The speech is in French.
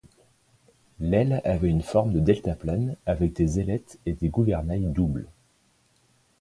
L'aile avait une forme de deltaplane avec des ailettes et des gouvernails doubles.